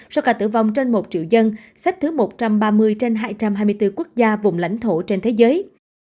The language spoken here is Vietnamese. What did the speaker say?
số ca tử vong trên một triệu dân xếp thứ một trăm ba mươi trên hai trăm hai mươi bốn quốc gia vùng lãnh thổ trên thế giới